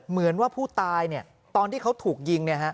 เหมือนว่าผู้ตายตอนที่เขาถูกยิง